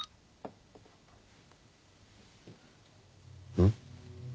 うん？